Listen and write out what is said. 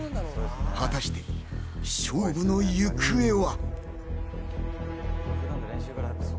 果たして勝負の行方は。